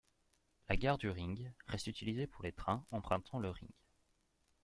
La gare du Ring reste utilisée pour les trains empruntant le Ring.